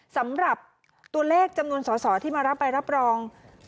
สำหรับตัวเลขจำนวนสอสอที่มารับใบรับรอง